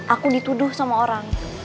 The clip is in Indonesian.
aku dituduh sama orang